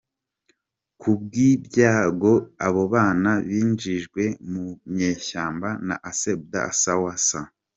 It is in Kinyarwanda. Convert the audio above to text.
Ku bw’ibyago abo bana binjijwe mu nyeshyamba na se Abdou Saali Waswa.